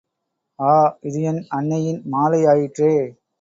ஆ!.. இது என் அன்னையின் மாலை ஆயிற்றே!...